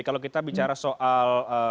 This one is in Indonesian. kalau kita bicara soal